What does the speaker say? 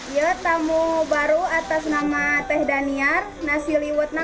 jangan lupa like share dan subscribe ya